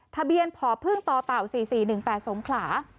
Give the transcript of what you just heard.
ทะเบียนผ่อพึ่งต่อเต่าสี่สี่หนึ่งแปดสมขลา